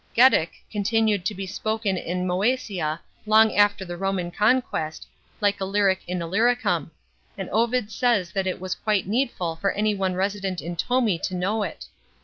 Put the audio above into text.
Getic continued to be spoken in Moesia long after the Roman conquest, like Illyric in Illyricum ; and Ovid pays that it was quite needful for any one resident in Tomi to know it.